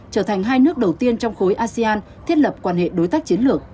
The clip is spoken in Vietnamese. trở thành hai nước đầu tiên trong khối asean thiết lập quan hệ đối tác chiến lược